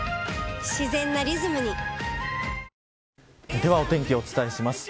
では、お天気お伝えします。